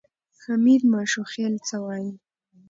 حمید ماشوخېل څه وایي؟